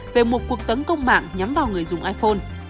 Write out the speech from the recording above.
về một cuộc tấn công mạng nhắm vào người dùng iphone